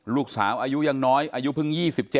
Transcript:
ลูกสาวอายุยังน้อยอายุเพิ่ง๒๗